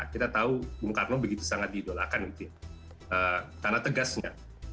kita tahu bung karno begitu sangat diidolakan gitu ya karena tegasnya